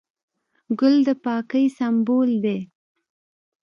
ګل د پاکۍ سمبول دی.